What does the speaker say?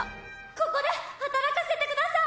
ここで働かせてください。